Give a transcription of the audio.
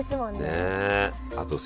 ねえ。